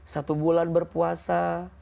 satu bulan berpuasa